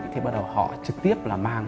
thì bắt đầu họ trực tiếp là mang